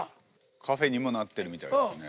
カフェにもなってるみたいですね。